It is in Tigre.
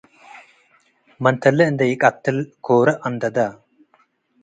. መንተሌ እንዴ ኢቀትል ኮሩ አንደደ፣